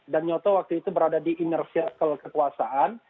dan nyoto waktu itu berada di inner circle kekuasaan